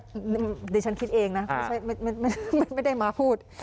ดิฉันคิดเองนะไม่ได้มาพูด